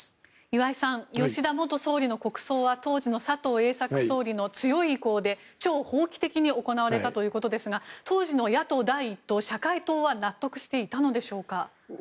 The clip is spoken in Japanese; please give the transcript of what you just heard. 岩井さん吉田元総理の国葬は当時の佐藤栄作総理の強い意向で超法規的に行われたということですが当時の野党第１党・社会党は納得していたのでしょうか。